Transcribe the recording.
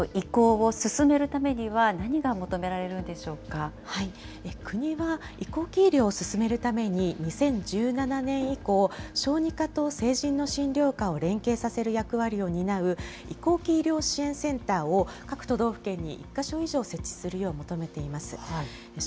患者の皆さんの移行を進めるためには、何が求められるんでし国は移行期医療を進めるために、２０１７年以降、小児科と成人の診療科を連携させる役割を担う移行期医療支援センターを各都道府県に１か所以上設置するよう求めています。